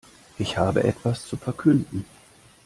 Ich habe etwas zu verkünden.